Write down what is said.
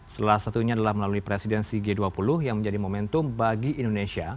salah satunya adalah melalui presidensi g dua puluh yang menjadi momentum bagi indonesia